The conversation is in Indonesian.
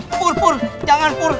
pur pur jangan pur